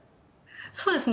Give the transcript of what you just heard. そうですね。